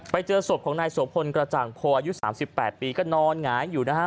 ไปเจอศพของนายโสพลกระจ่างโพอายุ๓๘ปีก็นอนหงายอยู่นะฮะ